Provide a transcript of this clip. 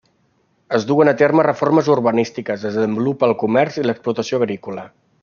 Es duen a terme reformes urbanístiques, es desenvolupa el comerç i l'explotació agrícola.